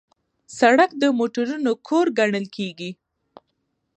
سړک د موټرونو کور ګڼل کېږي.